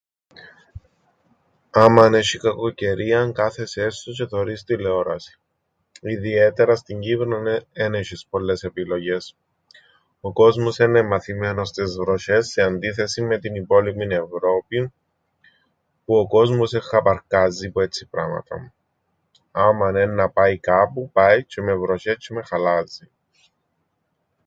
Άμαν έσ̆ει κακοκαιρίαν, κάθεσαι έσσω τζ̆αι θωρείς τηλεόρασην. Ιδιαίτερα στην Κύπρον εν έσ̆εις πολλές επιλογές. Ο κόσμος έννεν' μαθημένος στες βροσ̆ές, σε αντίθεσην με την υπόλοιπην Ευρώπην, που ο κόσμος εν χαπαρκάζει που έτσι πράματα. Άμαν έννα πάει κάπου, πάει, τζ̆αι με βροσ̆ές τζ̆αι με χαλάζιν.